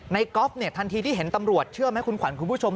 ก๊อฟเนี่ยทันทีที่เห็นตำรวจเชื่อไหมคุณขวัญคุณผู้ชม